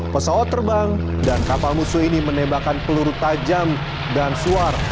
pesawat terbang dan kapal musuh ini menembakkan peluru tajam dan suar